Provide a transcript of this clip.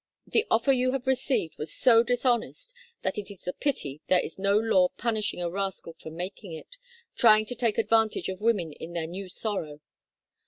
The offer you have received was so dishonest that it is a pity there is no law punishing a rascal for making it, trying to take advantage of women in their new sorrow.